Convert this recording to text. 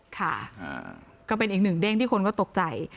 ค่ะก็เป็นอีกหนึ่งเด้งที่คนก็ตกใจ